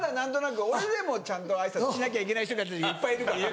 俺でもちゃんと挨拶しなきゃいけない人たちがいっぱいいるから。